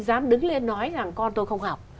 dám đứng lên nói rằng con tôi không học